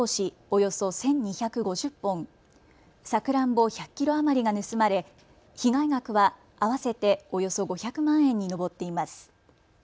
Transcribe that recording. およそ１２５０本、さくらんぼ１００キロ余りが盗まれ被害額は合わせておよそ５００万円に上っています。